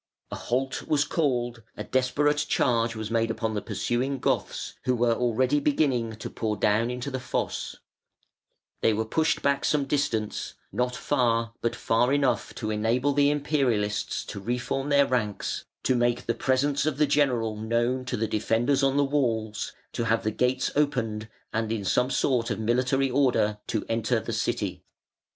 A halt was called, a desperate charge was made upon the pursuing Goths, who were already beginning to pour down into the fosse; they were pushed back some distance, not far, but far enough to enable the Imperialists to reform their ranks, to make the presence of the general known to the defenders on the walls, to have the gates opened, and in some sort of military order to enter the city.